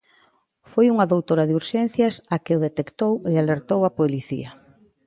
Foi unha doutora de Urxencias a que o detectou e alertou a policía.